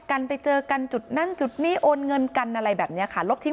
กันไปเจอกันจุดนั้นจุดนี้โอนเงินกันอะไรแบบนี้ค่ะลบที่